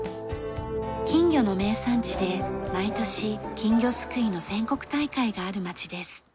金魚の名産地で毎年金魚すくいの全国大会がある町です。